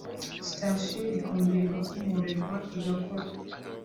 Sitasiyo ikongera igakomorerwa igakora